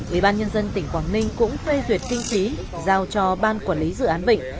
ubnd tỉnh quảng ninh cũng phê duyệt kinh tí giao cho ban quản lý dự án vịnh